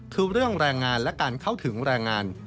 คือเรื่องแรงงานและการเข้าถึงแรงงาน